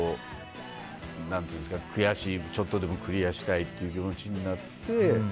悔しい、ちょっとでもクリアしたいって気持ちになって。